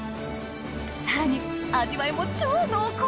さらに味わいも超濃厚！